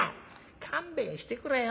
「勘弁してくれよ。